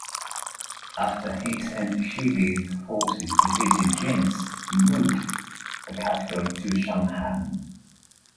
After his and Shi Le's forces defeated Jin's, he moved the capital to Chang'an.